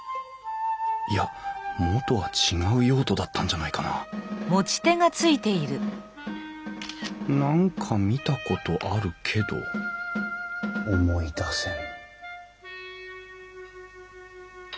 いや元は違う用途だったんじゃないかな何か見たことあるけど思い出せん。